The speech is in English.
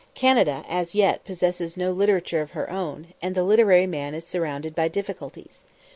Canada as yet possesses no literature of her own, and the literary man is surrounded by difficulties.